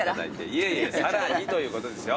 いえいえさらにということですよ。